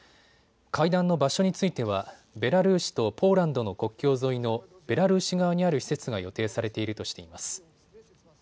会談の場所についてはベラルーシとポーランドの国境沿いのベラルーシ側にある施設が予定されているとしています。